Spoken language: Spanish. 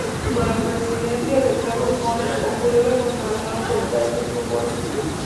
Con la presidencia de Carlos Menem, ocurrió la consagración absoluta de Tato Bores.